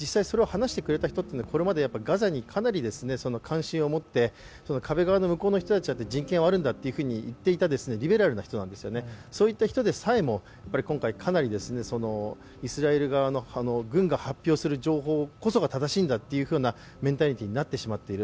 実際それを話してくれた人というのはこれまでガザにかなり関心を持って壁の向こうの人たちだって人権があるんだと言っていたリベラルな人なんですよね、そういった人でさえも今回かなりイスラエル側の軍が発表する情報こそが正しいんだというメンタリティーになってしまっている。